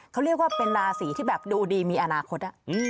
เขาเรียกว่าเป็นราศีที่แบบดูดีมีอนาคต